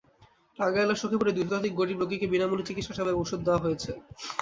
টাঙ্গাইলের সখীপুরে দুই শতাধিক গরিব রোগীকে বিনা মূল্যে চিকিৎসাসেবা এবং ওষুধ দেওয়া হয়েছে।